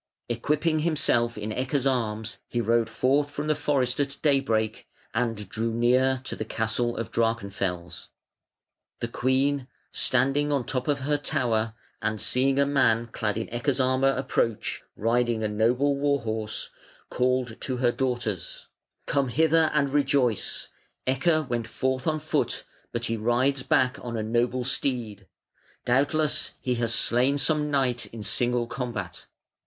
Equipping himself in Ecke's arms he rode forth from the forest at daybreak, and drew near to the castle of Drachenfels. The queen, standing on the top of her tower, and seeing a man clad in Ecke's armour approach, riding a noble war horse, called to her daughters: "Come hither and rejoice. Ecke went forth on foot, but he rides back on a noble steed. Doubtless he has slain some knight in single combat".